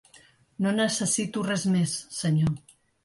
No necessito res més, senyor.